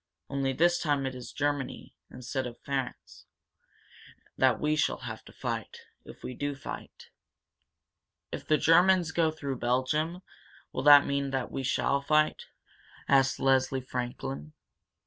Only this time it is Germany, instead of France, that we shall have to fight if we do fight." "If the Germans go through Belgium, will that mean that we shall fight?" asked Leslie Franklin.